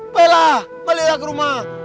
baiklah baliklah ke rumah